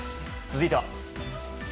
続いては。